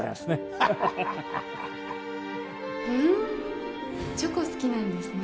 ハハハハふんチョコ好きなんですね